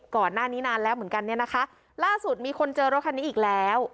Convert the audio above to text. ก่อนหน้านี้นานแล้วเหมือนกันเนี่ยนะคะล่าสุดมีคนเจอรถคันนี้อีกแล้ว